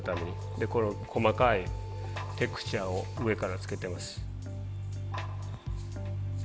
でこれを細かいテクスチャーを上からつけてます。